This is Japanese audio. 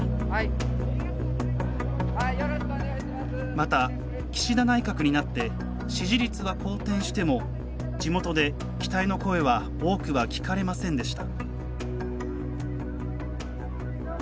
また岸田内閣になって支持率は好転しても地元で期待の声は多くは聞かれませんでした。